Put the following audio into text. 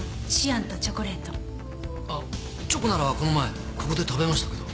あっチョコならこの前ここで食べましたけど。